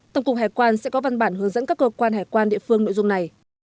tổng cục hải quan sẽ có văn bản hướng dẫn các cơ quan hải quan địa phương nội dung này